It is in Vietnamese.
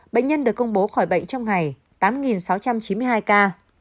bệnh nhân được công bố khỏi bệnh trong ngày tám sáu trăm chín mươi hai ca